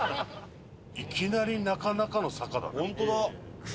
いきなりなかなかの坂だね。